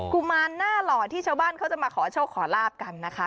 กุมารหน้าหล่อที่ชาวบ้านเขาจะมาขอโชคขอลาบกันนะคะ